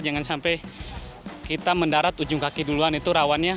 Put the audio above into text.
jangan sampai kita mendarat ujung kaki duluan itu rawannya